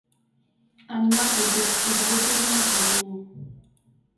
Anima zaitez, ezagutu egin nahi zaitugu!